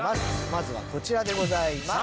まずはこちらでございます。